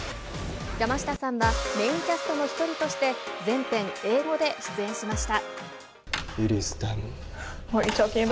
山下さんは、メインキャストの１人として、全編英語で出演しました。